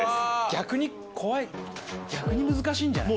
逆に怖い逆に難しいんじゃない？